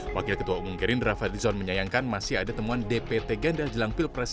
wakil ketua umum gerindra fadlizon menyayangkan masih ada temuan dpt ganda jelang pilpres